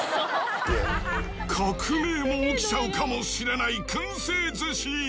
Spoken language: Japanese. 革命も起きちゃうかもしれないくん製寿司。